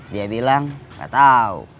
dia bilang gak tau